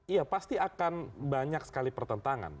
iya pasti akan banyak sekali pertentangan